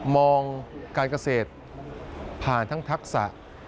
มองการเกษตรผ่านทั้งทักษะ